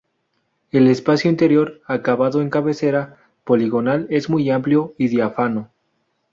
El espacio interior, acabado en cabecera poligonal, es muy amplio y diáfano.